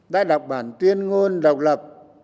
đã đọc bản tuyên ngôn độc lập